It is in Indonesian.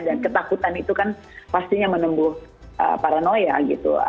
dan ketakutan itu kan pastinya menembus paranoia gitu